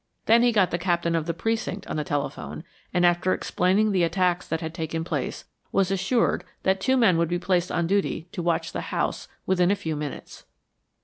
Then he got the captain of the precinct on the telephone, and after explaining the attacks that had taken place, was assured that two men would be placed on duty to watch the house within a few minutes.